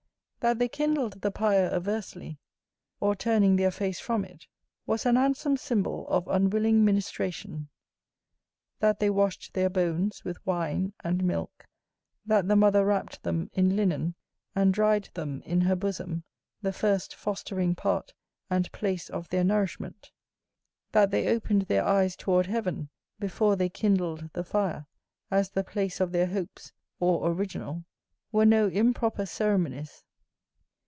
That they kindled the pyre aversely, or turning their face from it, was an handsome symbol of unwilling ministration. That they washed their bones with wine and milk; that the mother wrapped them in linen, and dried them in her bosom, the first fostering part and place of their nourishment; that they opened their eyes toward heaven before they kindled the fire, as the place of their hopes or original, were no improper ceremonies.